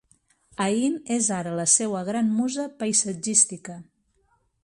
Aín és ara la seua gran musa paisatgística.